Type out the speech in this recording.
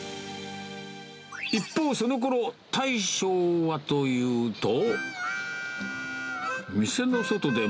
一方、そのころ、大将はというと。